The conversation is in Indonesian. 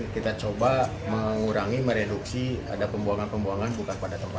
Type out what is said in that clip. kita coba mengurangi mereduksi ada pembuangan pembuangan bukan pada tempat